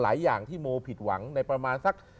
อย่างที่โมผิดหวังในประมาณสัก